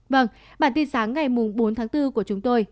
vâng bản tin sáng ngày bốn tháng bốn của chúng tôi